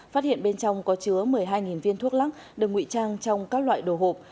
phát hiện bên trong có chứa một mươi hai viên thuốc lắc được nguy trang trong các loại đồ hộp